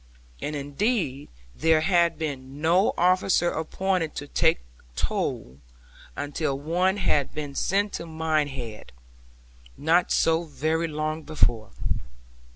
And indeed there had been no officer appointed to take toll, until one had been sent to Minehead, not so very long before.